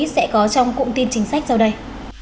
sẽ có trong cụm tin chính sách sau đây